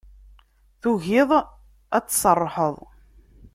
Tugiḍ ad tserrḥeḍ.